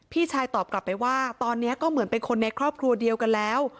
พี่ชายตอบกลับไปว่าตอนนี้ก็เหมือนเป็นคนในครอบครัวเดียวกันแล้ว